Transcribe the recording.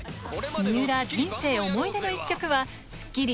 水卜人生思い出の一曲は『スッキリ』